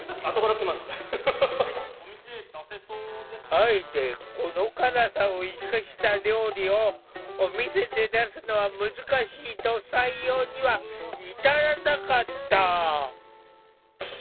あえてこの辛さを生かした料理をお店で出すのは難しいと採用には至らなかった。